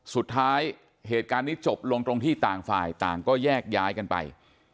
สุดท้ายเหตุการณ์นี้จบลงตรงที่ต่างฝ่ายต่างก็แยกย้ายกันไป